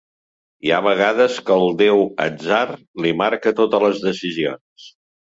Hi ha vegades que el deu Atzar li marca totes les decisions.